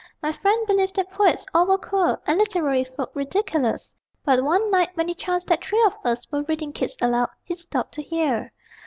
My friend believed that poets all were queer, And literary folk ridiculous; But one night, when it chanced that three of us Were reading Keats aloud, he stopped to hear.